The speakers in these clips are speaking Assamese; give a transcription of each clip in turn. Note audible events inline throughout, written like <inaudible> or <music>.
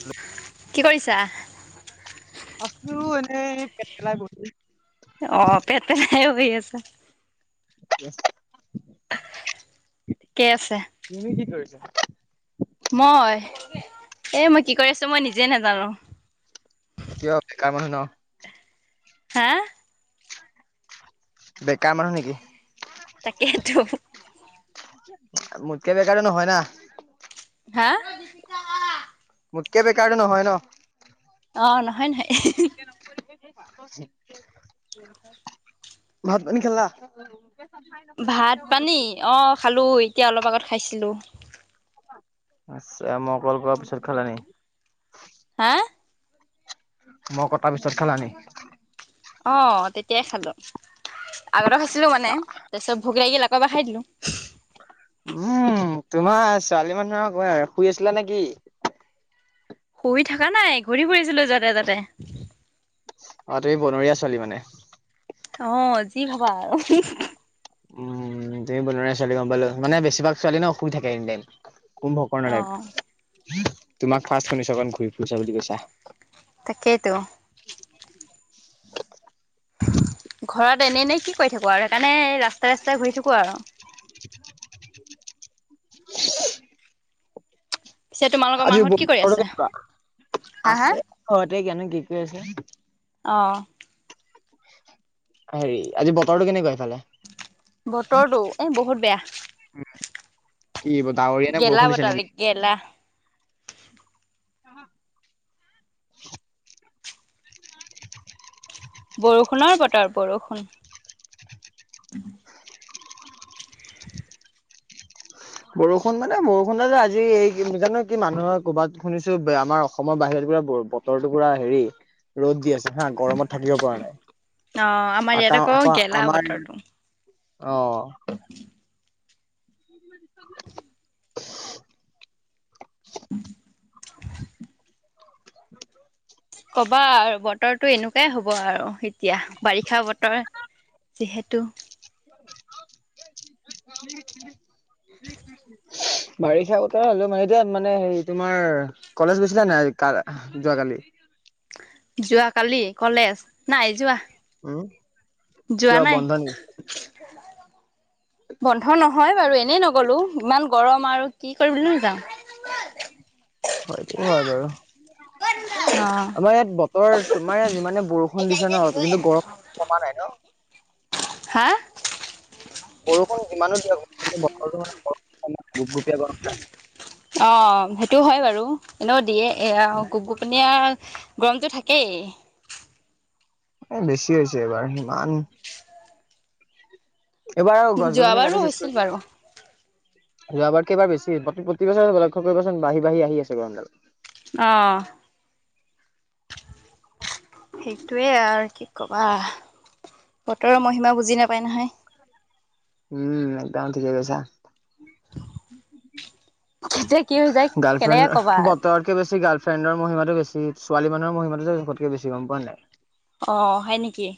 <unintelligible> কি কৰিছা? আছোঁ এ পেট পেলাই <unintelligible> অ', পেট পেলাই বহি আছা। য়েছ। ঠিকে আছে। তুমি কি কৰিছা? মই, এ মই কি কৰি আছোঁ! মই নিজেই নাজানোঁ। কিয় বেকাৰ মানুহ ন হা? বেকাৰ মানুহ নেকি? তাকেতো। মোতকে বেকাৰটো নহয় না? হা? মোতকে বেকাৰটো নহয় ন'? অ', নহয় নহ <unintelligible> <unintelligible> ভাত, পানী খালা? ভাত, পানী অ', খালোঁ এতিয়া অলপ আগত খাইছিলোঁ। আতচা, মই ক'ল পিছত খালা নি হা মই কটাৰ পিছত খালা নি অ', তেতিয়াই খালোঁ, আগতে খাইছিলোঁ, মানে তাৰপিছত ভোক লাগিল আ কৌ, এবাৰ খায় দিলোঁ। উম, তোমাৰ ছোৱালী মানুহক শুই আছিলা নেকি? শুই থাকা নাই ঘূৰি ফুৰিছিলোঁ, য'তে ত'তে। অ', তুমি বনৰীয়া ছোৱালী মানে? অ', যি ভাবা আৰু। উম, তুমি বনৰীয়া ছোৱালী গম পালোঁ, মানে বেছিভাগ ছোৱালী ন' শুই থাকে এনি টাইম কুম্ভকৰ্ণ অ টাইপ। তোমাক ফাৰ্ষ্ট শুনিছোঁ <unintelligible> ঘূৰি ফুৰিছা বুলি কৈছা। তাকেটো। ঘৰত এনে, এনে কি, কৰি থাকো আৰু সেইকাৰণে ৰা ৰাস্তাই, ৰাস্তাই ঘূৰি থাকো আৰু। পিছে তোমালোকৰ আজিৰ <unintelligible> মাহত কি কৰি ঘৰতে আছে কনো কি হা হা কি আছে? অ'। হেৰি আজি বতৰটো কেনেকুৱা এইফালে? বতৰটো, এ বহুত বেয়া। কি ডাৱৰীয়া নে গেলা বৰষুণ দিছে নেকি? বতালিক গেলা <inaudible> বৰষুণৰ বতৰ বৰষুণ। বৰষুণ মানে বৰষুণৰ যে আজি এই জানো কি মানুহৰ ক'ৰবাত শুনিছো আমাৰ অসমৰ বাহিৰত পুৰা বতৰটো পুৰা হেৰি ৰ'দ দি আছে। হা গৰমত থাকিব পৰা নাই অ আমাৰ ইয়াত আকৌ আকৌ গেলা আমাৰ বতৰটো অ'। উম। ক'বা আৰু বতৰটো এনেকুৱাই হ'ব আৰু। এতিয়া বাৰিষা বতৰ যিহে দুটো। বাৰিষা বতৰ হ'লো মানে এতিয়া মানে হে তোমাৰ কলেজ গৈছিলা নাই কা যোৱাকালি? যোৱা কালি কলেজ, নাই যোৱা। হুম। যোৱা কিয় নাই বন্ধ নেকি? বন্ধ নহয় বাৰু এনেই নগ'লো ইমান গৰম আৰু কি কৰিব নো যাম। হয়টো হয় বাৰু। অ আমাৰ ইয়াত ব অ', তোমাৰ ই যিমানে বৰষু বৰষুণ দিছে ন' কিন্তু গৰম কমা নাই ন'? হা? বৰষুণ যিমানো দিয়া কি বৰ মান অ', সেইটো হয় বাৰু। এনেও দিয়ে এ গোবোপনিয় আৰু গৰমতটো থাকেই। এ বেছি হৈছে এইবাৰ ইমান এবাৰ আৰু গছ-গছনি যোৱাবাৰো কাটি চেছ হৈছিল বাৰু। কৰি যোৱাবাৰকে এবাৰ বেছি প্ৰতিবছৰ লক্ষ্য কৰিবচোন বাঢ়ি বাঢ়ি আহি আছে গৰমডাল। অ'। সেইটোৱে আৰু কি ক'বা। বতৰৰ মহিমা বুজি নাপ উপ উপায় নহাই। উম, একদম ঠিকেই কৈছা। কেতিয়া কিহৈ যায়, কেনেকে ক'বা। ফ্ৰেডৰ মহিমাটো বেছি, ছোৱালী মানুহৰ মহিমাটো যে, জোখতকৈ বেছি গম পোৱা নাই? অ', হয়, নেকি?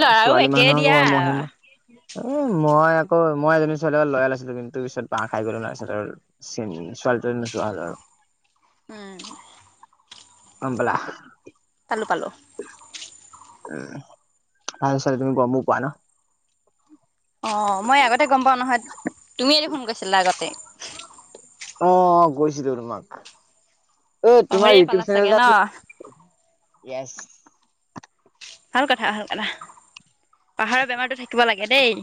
ল'ৰাও একে দিয়া। মানুহৰ মহিমা এ, মই আকৌ মই এজনী ছোৱালী লয়েল আছিলোঁ, কিন্তু পিছত বাঁহ খাই গ'লো ন' পিছত আৰু চিন-ছোৱালী টোৱালী নোচোৱা হ'লো আৰু উম। গম পালা? পালোঁ, পালোঁ। উম, ভাল ছোৱালী তুমি গমো পোৱা ন? অ', মই আগতে গম পাওঁ নহয়, তুমিয়ে দেখোন কৈছিলা আগতে। অ', অ', গৈছিলোঁ তোমাক। এই, তোমাৰ পাহৰিয়ে পালা ইউটিউব চাগে চেনেল ন? আছিল ইয়েছ। ভাল কথা, ভাল কথা। পাহৰা বেমাৰতো থাকিব লাগে দেই।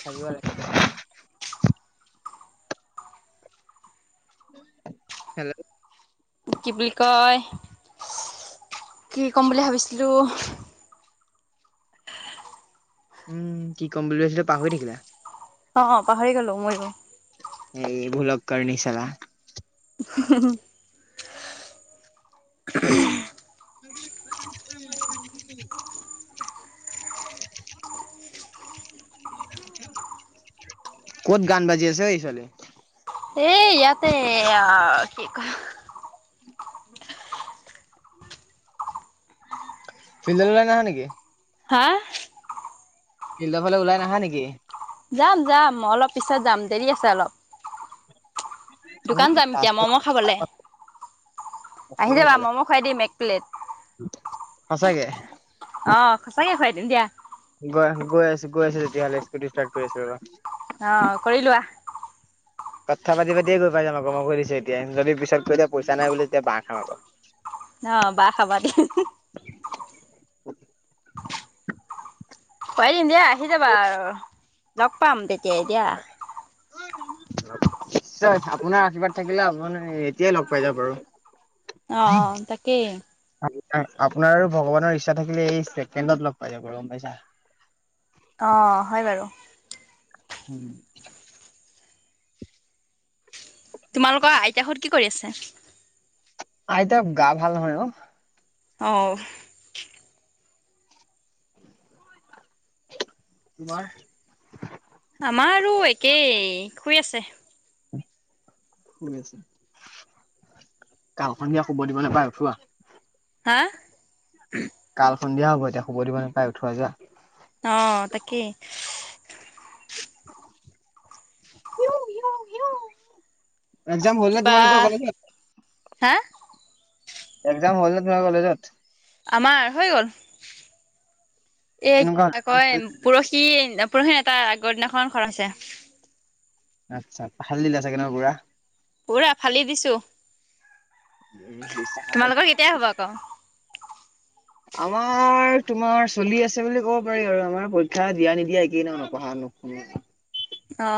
থাকিব লাগে হেল্ল' কি বুলি কয়, কি কম বুলি ভাবিছিলোঁ উম, কি কম বুলি ভাবিছিলা পাহৰি থাকিলা। অ', পাহৰি গ'লো ময়ো। এই ভোলককৰ্ণি চালা। <inaudible> ক'ত গান বাজি আছে, ঐ ছোৱালী? এ ইয়াতে এইয়া কি কয় ফিল্ডলৈ ওলাই নাহা নেকি? হা? ফিল্ডৰ ফালে ওলাই নাহা নেকি? যাম, যাম, মই অলপ পিছত যাম। দেৰি আছে অলপ। দোকান সঁচাকে যাম এতিয়া ম'ম' খাবলে। আহি যাবা! ম'ম' খুৱাই দিম এক প্লেট। সঁচাকে? অ', সঁচাকে খুৱাই দিম দিয়া। ৱাহ! গৈ আছোঁ, গৈ আছোঁ তেতিয়াহ'লে, স্কুটি ষ্টাৰ্ট কৰি আছোঁ ৰ'বা। অ', কৰি লোৱা। কথা পাতি পাতিয়ে গৈ পাই যাম আকৌ মই কৈ দিছোঁ এতিয়াই, যদি পিছত কৈ দিয়া পইচা নাই বুলি তেতিয়া বাঁহ খাম আকৌ। অ', বাঁহ খাবা। <inaudible> খোৱাই দিম দিয়া। আহি যাবা আৰু লগ পাম তে তেতিয়া। <unintelligible> আপোনাৰ আশীৰ্বাদ থাকিলে আপুনি এতিয়াই লগ পাই যাব পাৰু। অ', অ', তাকেই। অ, আপোনাৰ আৰু ভগৱানৰ ইচ্ছা থাকিলে এই ছেকেণ্ডত লগ পাই যাব পাৰোঁ গম পাইছা? অ, হয় বাৰু। উম, তোমালোকৰ আইতা হত কি কৰি আছে? আইতা গা ভাল নহয় অ', অ', তোমাৰ? আমাৰ আৰু একেই শুই আছে। শুই আছে গাঁওখন কিয়া শুব দিব নাপায় উঠোৱা হা? কাল সন্ধিয়া হ'ব এতিয়া শুব দিব নেপাই উঠোৱা যোৱা। অ তাকেই। You you you. একজাম হ'ল নে কিবা তোমালোকৰ কলেজত? হা একজাম হ'ল নে তোমাৰ কলেজত? আমাৰ হৈ গ'ল। এইক কেনেকুৱা হ'ল? কাক কয়েম পৰহি পৰহি নাই তাৰ আগৰ দিনাখন খৰ হৈছে। আচ্ছা ফালি দিলা চাগে ন পুৰা? পুৰা ফালি দিছো। উম, বিশ্বাস আছে তোমালোকৰ কেতিয়াই হ'বই ক? আমাৰ তোমাৰ চলি আছে বুলি ক'ব পাৰি আৰু আমাৰ পৰীক্ষা দিয়া নিদিয়া একেই ন নপঢ়া নুশুনা। অ।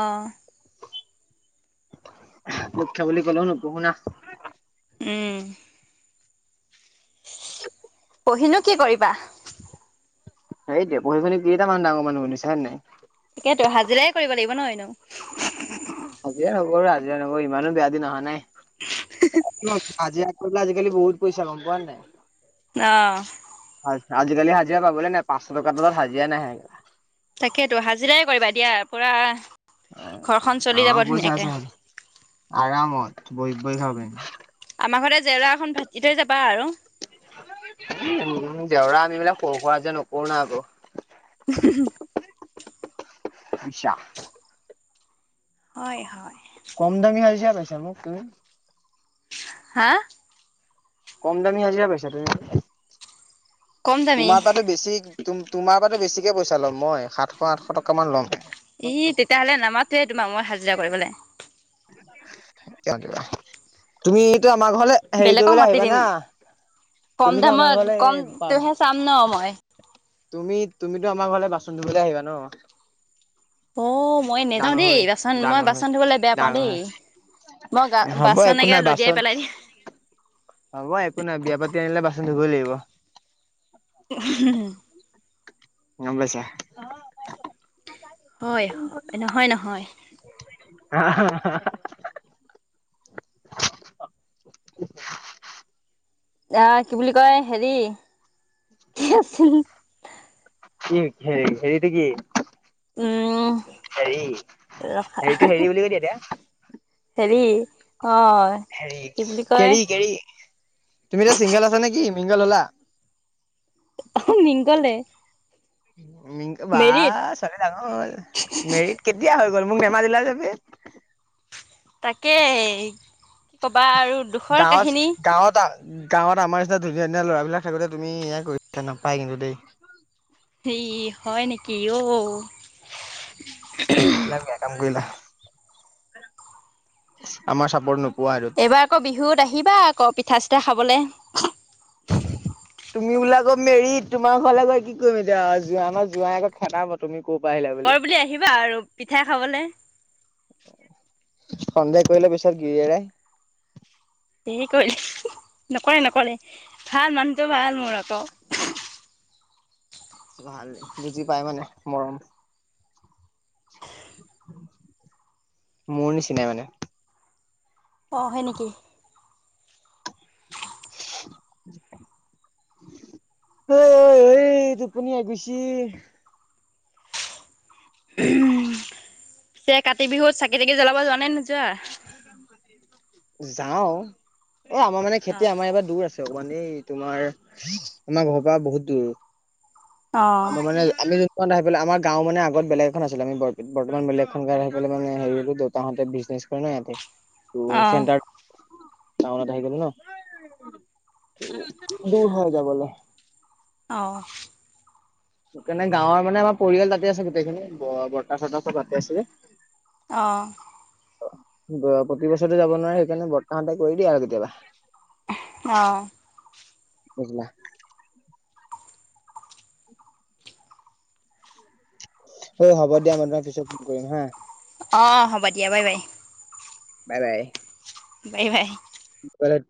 মুখ্য বুলি কলো নপঢ়ো না। উম। পঢ়িনো কি কৰিবা? সেই দে পঢ়িমেলি কেইটা মান ডাঙৰ মানুহ বনিছে হয় নাই। তাকে ত হাজিৰাই কৰিব লাগিব ন এনোও হাজিৰা নকৰো, হাজিৰা নকৰি ইমানো বেয়া দিন অহা নাই। আজি <unintelligible> কৰি পেলাই আজিকালি বহুত পইচা গম পোৱা নাই? আহ। আজিকালি হাজিয়া পাবলে নাই, পাঁচশ টকা তলত হাজিয়া নাহে তাকেইেতো হাজিৰাই কৰিবা দিয়া পুৰা। অ। ঘৰখন চলি যাব আমাৰ পইচা ধুনীয়াকে। আছে, আৰামত বৈ কৈ খাব পাৰিম। আমাৰ ঘৰতে জেউৰা এখন ভেতি থৈ যাব <unintelligible> জেউৰা আমি মানে সৰু-সুৰা যে নকৰো না আকৌ। <unintelligible> আছা হয় কম দামি খাজিছে পাইছ মোক কি হা কম দামী হাজিৰা পাইছা ত কম দামী তোমাৰ পৰাতো বেছি তুম তোমাৰ পৰা বেছিকে পইচা ল'ম মই সাতশ আঠশ টকা মান ল'ম। ই তেতিয়াহলে নামাতোৱে তোমাক মই পূজা কৰিবলে তুমি এটা বেলেগক মাতি দিম কম তুমিতো আমাৰ দামত ঘৰলে পাম কমটোহে চাম ন মই তুমি তুমিতো আমাৰ ঘৰলৈ বাচন ধুবলৈ আহিবা ন অ মই নেযাও ডাঙৰ দেই হৈ বাচন মই ডাঙৰ হৈ বাচন ধুবলৈ বেয়া পা ডাঙৰ হয় হ'ব বাচন একো একে নাই লদিয়াই বাচন পেলাই হ'ব একো নাই বিয়া পাতি আনিলে বাচন ধুবই লাগিব। <unintelligible> গম পাইছা? হয় হ নহয় নহয়। আহ হা হা হা আহ কি বুলি কয় হেৰি কি আছিল? এই হেৰি হেৰিটো কি? উম হেৰি ৰখা হেৰিটো হেৰি বুলি কৈ দিয়া হেৰি এতিয়া। অ হেৰি কি বুলি কয় কেৰি কেৰি তুমি এতিয়া চিংগল আছা নেকি? মিংগল হলা? অ মিংগলে। মিং বা মেৰিত ছোৱালী ডাঙৰ হল, মেৰিড কেতিয়া হ'ল? কিহল মোক নামাতিলা যে বিয়াত? তাকেই। কি ক'বা আৰু দুখৰ গাঁৱত কাহিনী। গাঁৱত গাঁৱত আমাৰ নিচিনা ধুনীয়া ধুনীয়া লৰাবিলাক থাকোতে তুমি এয় কৰিছা নাপাই কিন্তু দেই। সেই হয় নেকি ঔ। এলাহ গৈয়া কাম কৰিলা আমাৰ চাপৰ্ট নো এইবাৰ আকৌ বিহুত আহিবা আকৌ পিঠা চিঠা খাব খাবলে তুমি বোলা আকৌ মেৰিত তোমাৰ ঘৰলৈ গৈ কি কৰিম এতিয়া জোৱাই ন জোৱাই আকৌ খেদাব তুমি ক'ৰ পৰা আহিলা লগৰ বুলি আহিবা আৰু পিঠাই খাবলে সন্দেহ কৰিলে পিছত গিৰিয়েৰাই সি কৰিলে নকৰে নকৰে ভাল মানুহটো ভাল মোৰ আকৌ ভাল দেই, বুজি পাই মানে মৰম মোৰ নিচিনাই মানে অ হয় নেকি <unintelligible> টোপনি আহি গৈছি এতিয়া কাতি বিহুত চাকি তাকি জ্বলাব যোৱা নে নো <unintelligible> যাওঁ এ আমাৰ মানে খেতি আমাৰ ইয়াৰ পৰা দূৰ আছে আও মানেই তোমাৰ আমাৰ ঘৰৰ পৰা বহুত দূৰ অ। আমাৰ মানে আমি যোন <unintelligible> আহি পেলে আমাৰ গাঁও মানে আগত বেলেগ এখন আছিল আমি <unintelligible> বৰ্তমান বেলেগখন গাঁওত আহি পেলে মানে <unintelligible> দেউতাহতে বিজনেজ কোনো এহেতে তো অ চেণ্টাৰ টাউনত আহি কেনে নহ <unintelligible> দূৰ হয় যাবলে। অ', সেইকাৰণে গাঁৱৰ মানে আমাৰ পৰিয়াল তাতে আছে গোটেইখিনি ব-বৰ্তা- চৰ্তা চব তাতে আছিলে। অহ', অ, <unintelligible> প্ৰতি বছৰতে যাব নোৱাৰে সেইকাৰণে বৰ্তা হতে কৰি দিয়ে আৰু কেতিয়াবা। অঁ বুজিলা? ঐ হ'ব দিয়া মই তোমাক পিছত ফোন কৰিম হা। অ, হ'ব দিয়া বাই-বাই। বাই - বাই। বাই-বাই। <unintelligible>